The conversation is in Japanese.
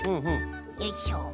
よいしょ。